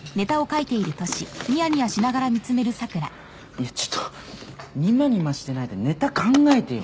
いやちょっとにまにましてないでネタ考えてよ。